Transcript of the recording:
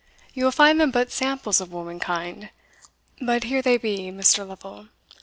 You will find them but samples of womankind But here they be, Mr. Lovel.